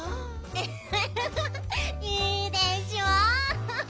フフフフいいでしょ？